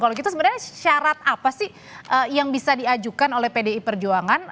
kalau gitu sebenarnya syarat apa sih yang bisa diajukan oleh pdi perjuangan